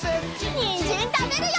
にんじんたべるよ！